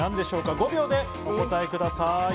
５秒でお答えください。